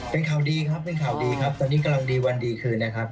เป็นข่าวดีครับตอนนี้กำลังดีวันดีคืนนะครับ